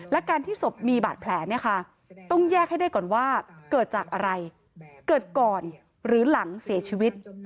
และการที่ศพมีบาดแผลเนี่ยค่ะต้องแยกให้ได้ก่อนว่าเกิดจากอะไรเกิดก่อนหรือหลังเสียชีวิต